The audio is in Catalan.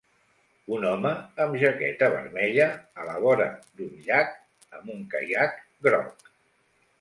Un home amb jaqueta vermella a la vora d'un llac amb un caiac groc.